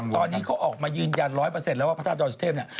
ตอนนี้เขาออกมายืนยัน๑๐๐แล้วว่าพระธาตุดอยสุเทพเนี่ย